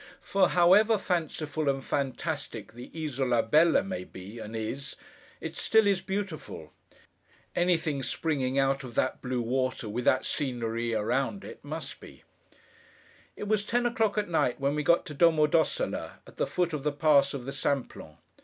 For however fanciful and fantastic the Isola Bella may be, and is, it still is beautiful. Anything springing out of that blue water, with that scenery around it, must be. It was ten o'clock at night when we got to Domo d'Ossola, at the foot of the Pass of the Simplon.